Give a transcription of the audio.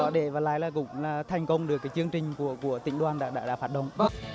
để lại là cũng thành công được chương trình của tỉnh đoàn đã phát động